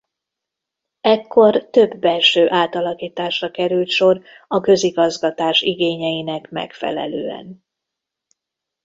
Ekkor több belső átalakításra került sor a közigazgatás igényeinek megfelelően.